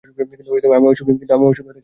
কিন্তু আমি অসুখী হতে চাই না!